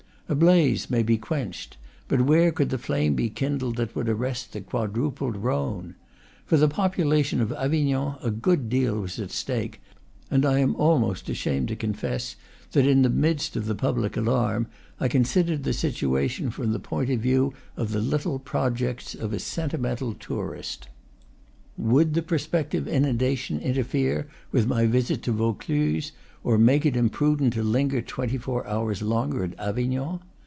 A blaze may be quenched, but where could the flame be kindled that would arrest the quadrupled Rhone? For the population of Avignon a good deal was at stake, and I am almost ashamed to confess that in the midst of the public alarm I considered the situation from the point of view of the little projects of a senti mental tourist. Would the prospective inundation inter fere with my visit to Vaucluse, or make it imprudent to linger twenty four hours longer at Avignon?